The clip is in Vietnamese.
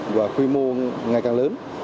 và khuy mô ngày càng lớn